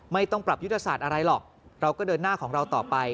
ไม่ต้องปรับยุทธศาสตร์อะไรหรอกเราก็เดินหน้าของเราต่อไป